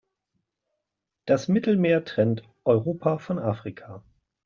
Das Mittelmeer trennt Europa von Afrika.